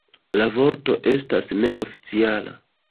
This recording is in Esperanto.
La vorto estas neoficiala.